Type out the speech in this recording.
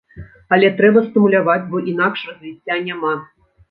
Але трэба стымуляваць, бо інакш развіцця няма.